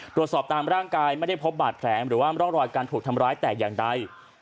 ตามร่างกายไม่ได้พบบาดแผลหรือว่าร่องรอยการถูกทำร้ายแต่อย่างใด